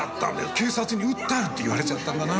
「警察に訴える！」って言われちゃったんだな。